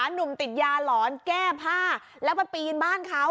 หนุ่มติดยาหลอนแก้ผ้าแล้วไปปีนบ้านเขา